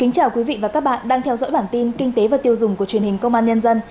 chào mừng quý vị đến với bản tin kinh tế và tiêu dùng của truyền hình công an nhân dân